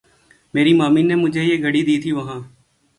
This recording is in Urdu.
میریں مامیںں نیں مجھیں یہ گھڑی دی تھی وہاں